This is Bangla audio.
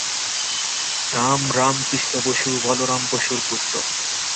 রাম রামকৃষ্ণ বসু, বলরাম বসুর পুত্র।